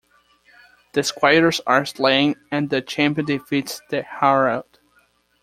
The squires are slain, and the Champion defeats the Herald.